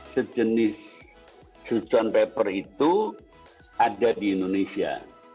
sejenis suchant pepper itu ada di indonesia